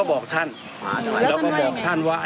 ผมก็บอกท่านแล้วก็บอกท่านว่า